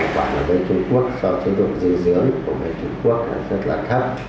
quả là với trung quốc do chế độc dư dưỡng của trung quốc rất là thấp